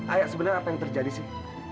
ayah sebenarnya apa yang terjadi sih